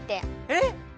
えっ